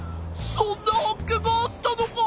そんな発見があったのか！